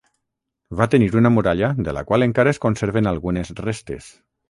Va tenir una muralla de la qual encara es conserven algunes restes.